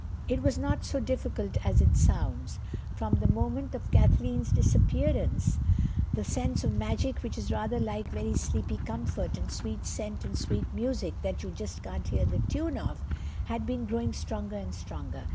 It was not so difficult as it sounds. From the moment of Kathleen's disappearance the sense of magic—which is rather like very sleepy comfort and sweet scent and sweet music that you just can't hear the tune of—had been growing stronger and stronger.